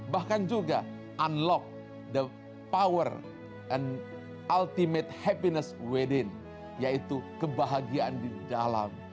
bahkan juga unlock kekuatan dan kebahagiaan yang ada di dalam